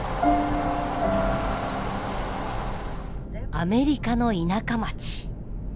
アメリカの田舎町。